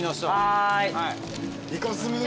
はい。